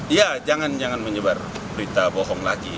ya jangan jangan menyebar berita bohong lagi